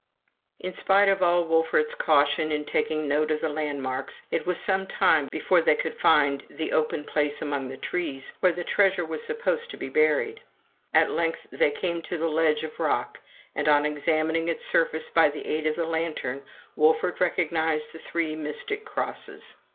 In spite of all Wolfert's caution in taking note of the land marks, it was some time before they could find the open place among the trees, where the treasure was supposed to be buried. At length they came to the ledge of rock; and on examining its surface by the aid of the lantern, Wolfert recognized the three mystic crosses.